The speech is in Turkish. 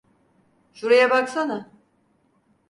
Şuraya baksana.